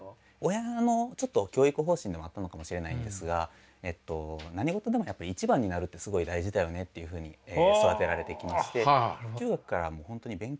親のちょっと教育方針でもあったのかもしれないんですが何ごとでもやっぱ一番になるってすごい大事だよねっていうふうに育てられてきまして。